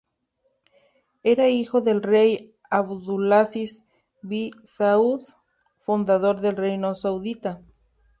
Era hijo del rey Abdulaziz bin Saúd, fundador del reino saudita.